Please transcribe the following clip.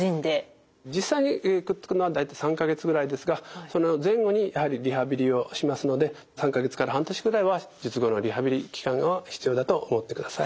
実際にくっつくのは大体３か月ぐらいですがその前後にやはりリハビリをしますので３か月から半年ぐらいは術後のリハビリ期間が必要だと思ってください。